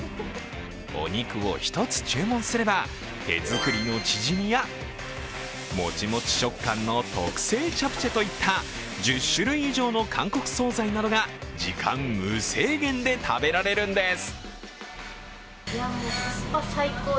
お肉を１つ注文すれば、手作りのチヂミやモチモチ食感の特製チャプチェといった１０種類以上の韓国総菜などが時間無制限で食べられるんです。